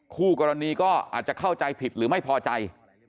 คู่กรณีก็อาจจะเข้าใจผิดหรือไม่พอใจ